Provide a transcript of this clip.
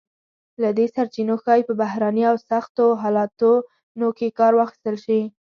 له دې سرچینو ښایي په بحراني او سختو حالتونو کې کار واخیستل شی.